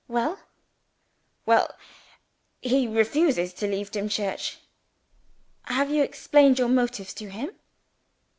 "Well?" "Well he refuses to leave Dimchurch." "Have you explained your motives to him?"